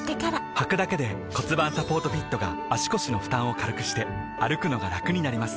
はくだけで骨盤サポートフィットが腰の負担を軽くして歩くのがラクになります